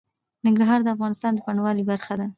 ننګرهار د افغانستان د بڼوالۍ برخه ده.